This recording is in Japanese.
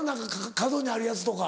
角にあるやつとか。